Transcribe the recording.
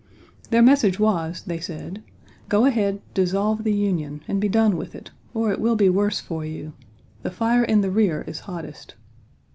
Their message was, they said: "Go ahead, dissolve the Union, and be done with it, or it will be worse for you. The fire in the rear is hottest."